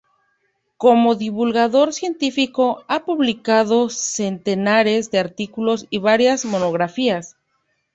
Como divulgador científico, ha publicado centenares de artículos y varias monografías.